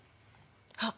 あっ！